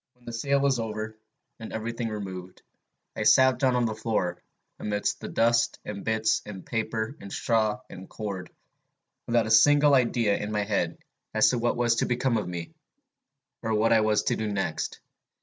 "When the sale was over, and every thing removed, I sat down on the floor, amidst the dust and bits of paper and straw and cord, without a single idea in my head as to what was to become of me, or what I was to do next.